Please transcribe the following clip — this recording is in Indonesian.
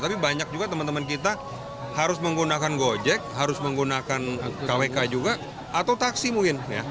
tapi banyak juga teman teman kita harus menggunakan gojek harus menggunakan kwk juga atau taksi mungkin